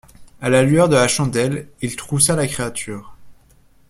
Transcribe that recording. A la lueur de la chandelle, il troussa la créature.